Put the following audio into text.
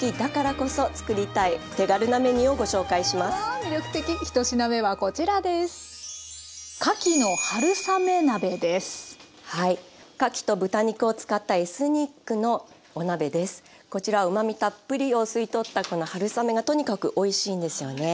こちらうまみたっぷりを吸い取ったこの春雨がとにかくおいしいんですよね。